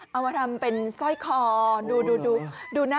เอามาทำเป็นสร้อยคอดูดูนะ